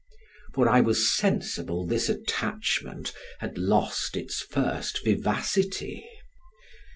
For I was sensible this attachment had lost its first vivacity.